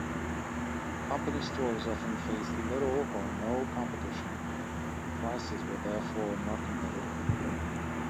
Company stores often faced little or no competition and prices were therefore not competitive.